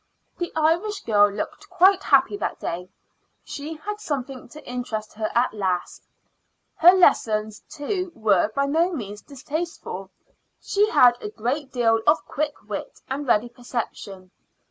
The Irish girl looked quite happy that day; she had something to interest her at last. Her lessons, too, were by no means distasteful. She had a great deal of quick wit and ready perception.